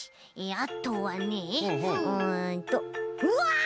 あとはねうんとうわっ！